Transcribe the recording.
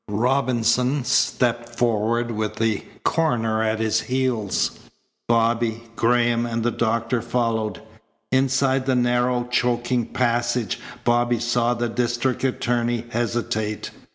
Robinson stepped forward with the coroner at his heels. Bobby, Graham, and the doctor followed. Inside the narrow, choking passage Bobby saw the district attorney hesitate.